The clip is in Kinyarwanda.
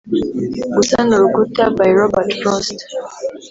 "gusana urukuta" by robert frost